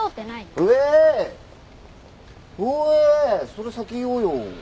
それ先言おうよ。